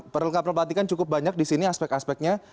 perlengkapan pelantikan cukup banyak di sini aspek aspeknya